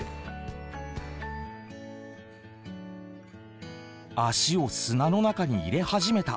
足を砂の中に入れ始めた。